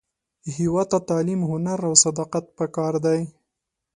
هیواد ته تعلیم، هنر، او صداقت پکار دی